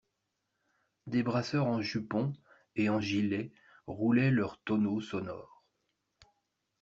Des brasseurs en jupon et en gilet roulaient leurs tonneaux sonores.